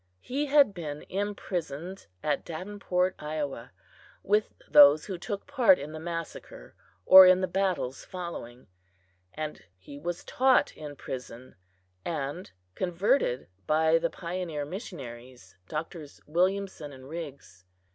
He had been imprisoned at Davenport, Iowa, with those who took part in the massacre or in the battles following, and he was taught in prison and converted by the pioneer missionaries, Drs. Williamson and Riggs.